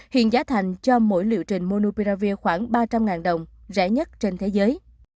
hiện giá thành cho mỗi liệu trình monupiravir khoảng ba trăm linh đồng rẻ nhất trên thế giới